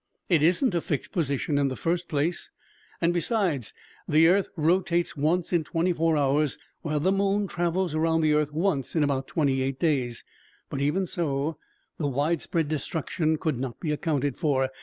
"It isn't a fixed position in the first place, and besides the earth rotates once in twenty four hours, while the moon travels around the earth once in about twenty eight days. But, even so, the widespread destruction could not be accounted for.